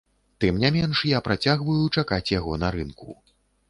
Тым не менш, я працягваю чакаць яго на рынку.